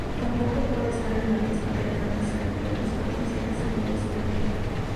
Tampoco puede estar en la lista de "Grandes Campeones" potenciales debido a su retiro.